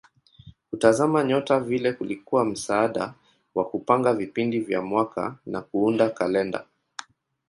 Kutazama nyota vile kulikuwa msaada wa kupanga vipindi vya mwaka na kuunda kalenda.